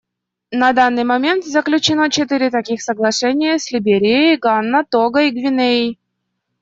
На данный момент заключено четыре таких соглашения — с Либерией, Ганой, Того и Гвинеей.